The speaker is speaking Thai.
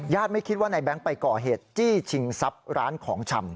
ญาติไม่คิดว่านายแบ๊งค์ไปก่อเหตุจี้ฉิงซับร้านของชำ